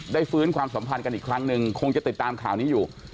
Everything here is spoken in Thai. ฟื้นความสัมพันธ์กันอีกครั้งหนึ่งคงจะติดตามข่าวนี้อยู่